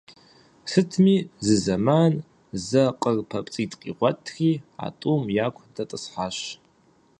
Сытми зызэман зэ къыр папцӀитӀ къигъуэтри, а тӀум яку дэтӀысхьащ.